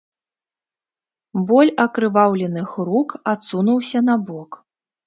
Боль акрываўленых рук адсунуўся набок.